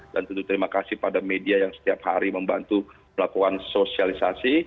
dan tentu terima kasih pada media yang setiap hari membantu melakukan sosialisasi